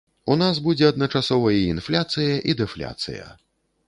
У нас будзе адначасова і інфляцыя, і дэфляцыя.